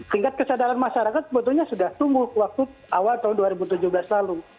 tingkat kesadaran masyarakat sebetulnya sudah tumbuh waktu awal tahun dua ribu tujuh belas lalu